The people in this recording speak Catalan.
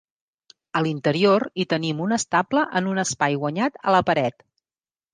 A l'interior hi tenim un estable en un espai guanyat a la paret.